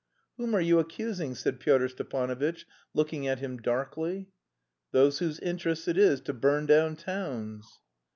"Whom are you accusing?" said Pyotr Stepanovitch, looking at him darkly. "Those whose interest it is to burn down towns."